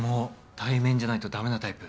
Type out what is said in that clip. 対面じゃないとダメなタイプ。